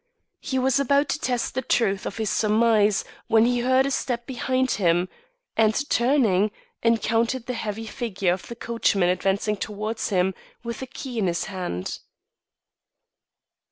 He was about to test the truth of this surmise when he heard a step behind him, and turning, encountered the heavy figure of the coachman advancing towards him, with a key in his hand.